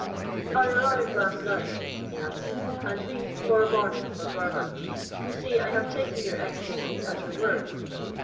"I arrived last night," he answered, "and leave to morrow morning for Burma. You see, I have taken your Excellency at your word."